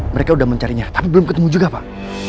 mereka sudah mencarinya tapi belum ketemu juga pak